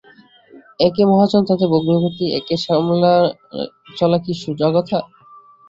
একে মহাজন তাতে ভগ্নীপতি, একে সামলে চলা কি সোজা কথা!